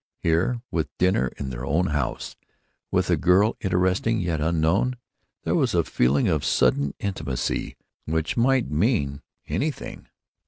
Here, with "dinner in their own house," with a girl interesting yet unknown, there was a feeling of sudden intimacy which might mean anything.